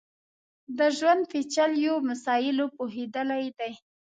د ژوند پېچلیو مسایلو پوهېدلی دی.